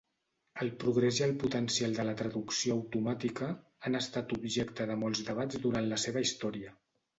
El progrés i el potencial de la traducció automàtica han estat objecte de molts debats durant la seva història.